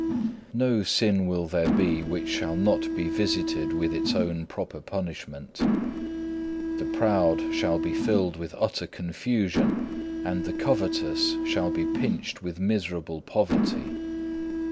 4. No sin will there be which shall not be visited with its own proper punishment. The proud shall be filled with utter confusion, and the covetous shall be pinched with miserable poverty.